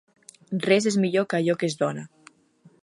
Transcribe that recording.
Res és millor que allò que es dóna.